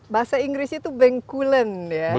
bahasa inggrisnya itu bengkulen